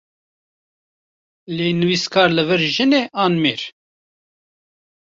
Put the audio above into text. Lê nivîskar li vir jin e, an mêr?